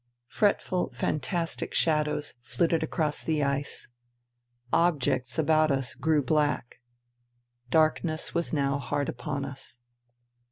Fretful fantastic shadows flitted across the ice. Objects about u grew black. Darkness was now hard upon us.